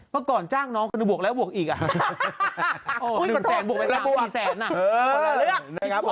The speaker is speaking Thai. เมื่อก่อนจ้างน้องคนหนึ่งบวกแล้วบวกอีกอ่ะ